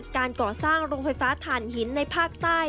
การก่อสร้างโรงไฟฟ้าถ่านหินในภาคใต้